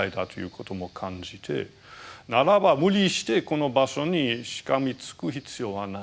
ならば無理してこの場所にしがみつく必要はない。